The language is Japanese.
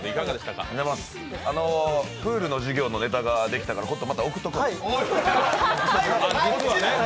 プールの授業のネタができたからコットン、また送っておくわ。